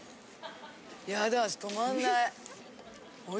やだ止まんない。